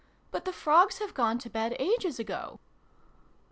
But the frogs have gone to bed, ages ago."